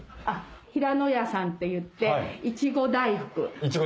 平野屋さんっていっていちご大福。